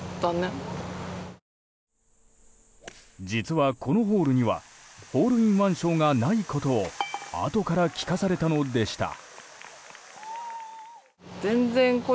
実は、このホールにはホールインワン賞がないことをあとから聞かされたのでした。